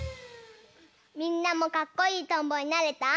みんなもかっこいいとんぼになれた？